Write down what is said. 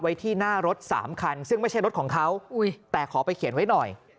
ไว้ที่หน้ารถสามคันซึ่งไม่ใช่รถของเขาแต่ขอไปเขียนไว้หน่อย